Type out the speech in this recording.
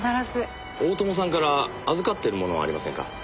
大友さんから預かっているものはありませんか？